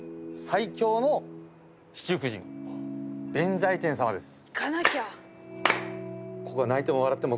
最強の七福神弁財天様です。